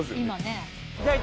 今ね。